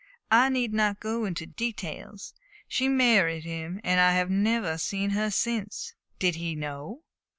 "I need not go into details. She married him, and I have never seen her since." "Did he know?"